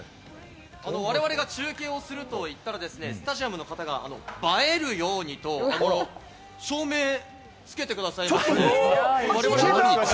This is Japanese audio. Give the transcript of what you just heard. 我々が中継をすると言ったらですね、スタジアムの方が映えるようにと、照明つけてくださいまして、